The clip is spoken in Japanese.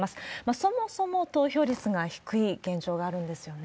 そもそも、投票率が低い現状があるんですよね。